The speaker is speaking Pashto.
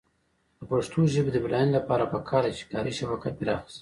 د پښتو ژبې د بډاینې لپاره پکار ده چې کاري شبکه پراخه شي.